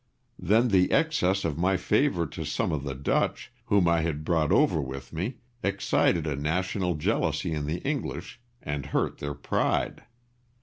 Then the excess of my favour to some of the Dutch, whom I had brought over with me, excited a national jealousy in the English and hurt their pride.